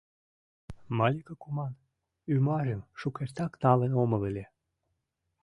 Малика куман ӱмажым шукертак налын омыл ыле.